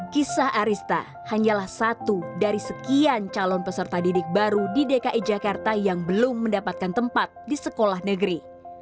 kisah arista hanyalah satu dari sekian calon peserta didik baru di dki jakarta yang belum mendapatkan tempat di sekolah negeri